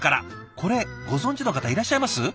これご存じの方いらっしゃいます？